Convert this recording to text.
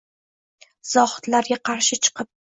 Zohidlarga qarshi chiqib